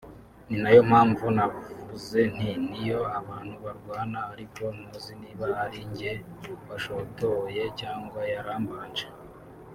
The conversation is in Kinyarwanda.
ni nayo mpamvu navuze nti niyo abantu barwana ariko ntuzi niba ari njye washotoye cyangwa yarambanje”